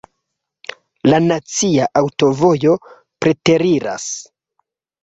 La nacia aŭtovojo preteriras.